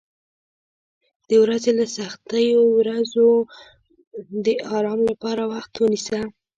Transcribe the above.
د ورځې له سختیو وروسته د آرام لپاره وخت ونیسه.